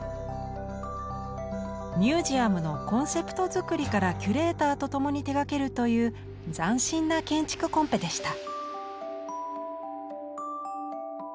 ミュージアムのコンセプト作りからキュレーターと共に手がけるという斬新な建築コンペでした。